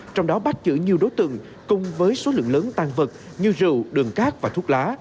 trong đó bắt giữ nhiều đối tượng cùng với số lượng lớn tan vật như rượu đường cát và thuốc lá